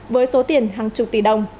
với số tiền hàng chục tỷ đồng